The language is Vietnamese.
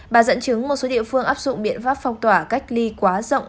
bà dẫn chứng một số địa phương áp dụng biện pháp phong tỏa cách ly quá rộng